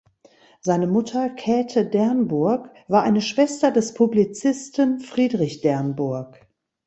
Seine Mutter Käthe Dernburg war eine Schwester des Publizisten Friedrich Dernburg.